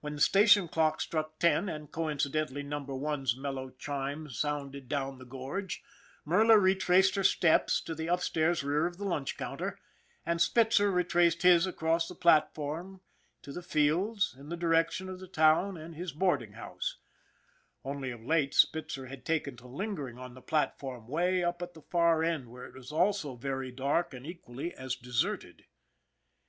When the station clock struck ten and, coincident ally, Number One's mellow chime sounded down the gorge, Merla retraced her steps to the upstairs rear of the lunch counter, and Spitzer retraced his across the platform to the fields in the direction of the town and his boarding house; only, of late, Spitzer had taken to lingering on the platform way up at the far end where it was also very dark and equally as deserted.